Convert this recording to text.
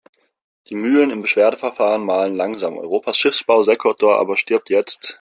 Die Mühlen im Beschwerdeverfahren mahlen langsam. Europas Schiffbausektor aber stirbt jetzt.